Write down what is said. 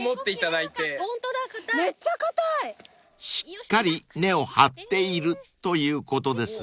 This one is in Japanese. ［しっかり根を張っているということですね］